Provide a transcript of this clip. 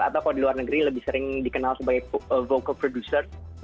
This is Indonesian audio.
atau kalau di luar negeri lebih sering dikenal sebagai vocal producer